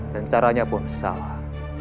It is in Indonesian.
dan caranya pun salah